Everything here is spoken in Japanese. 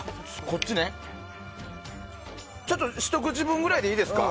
ちょっとひと口分ぐらいでいいですか？